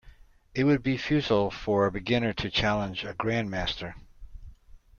It would be futile for a beginner to challenge a grandmaster.